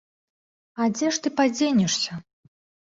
А дзе ж ты падзенешся?